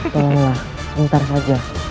tolonglah sebentar saja